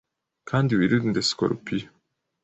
Kandi wirinde sikorupiyo